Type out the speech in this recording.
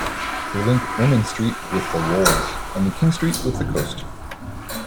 They link Ermine Street with the Wolds, and King Street with the coast.